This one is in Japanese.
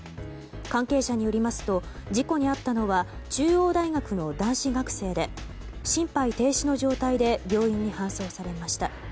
関係者によりますと事故に遭ったのは中央大学の男子学生で心肺停止の状態で病院に搬送されました。